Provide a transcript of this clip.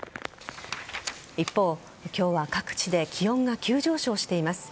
一方、今日は各地で気温が急上昇しています。